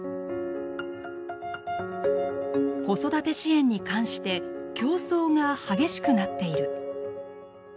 「子育て支援に関して競争が激しくなっている」。